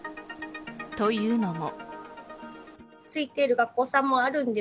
というのも。